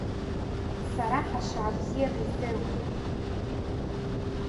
Сара Ҳашаа бзианы издыруеит…